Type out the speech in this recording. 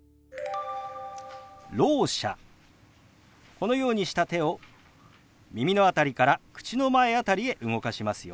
このようにした手を耳の辺りから口の前辺りへ動かしますよ。